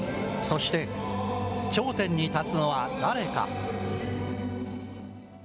そして、頂点に立つのは誰か。